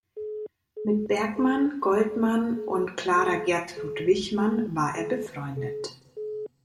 Mit Berkman, Goldman und Clara Gertrud Wichmann war er befreundet.